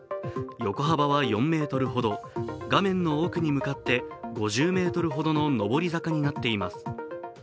横幅は４ｍほど、画面の奥に向かって５０ｍほどの上り坂になっています。